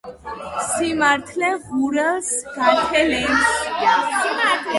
სიმართლე ღურელს გათელენსია